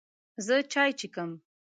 زه چای څښم.